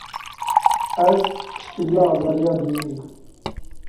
Ez piştgiriya azadiya dînî dikim.